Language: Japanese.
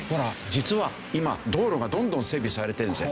実は今道路がどんどん整備されてるんですよ。